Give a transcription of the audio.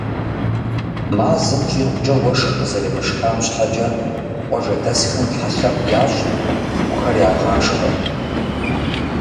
Мазэм щӏигъукӏэ уэшх къызэремышхам щхьэкӏэ, къуажэдэсхэм Тхьэлъэӏу ящӏ, цӏыкӏухэр ягъашхьэ.